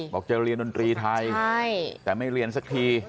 บอกจะเรียนดนตรีไทยแต่ไม่เรียนสักที